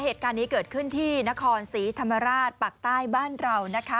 เหตุการณ์นี้เกิดขึ้นที่นครศรีธรรมราชปากใต้บ้านเรานะคะ